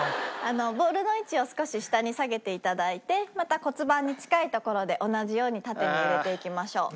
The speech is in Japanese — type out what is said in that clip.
ボールの位置を少し下に下げて頂いてまた骨盤に近い所で同じように縦に揺れていきましょう。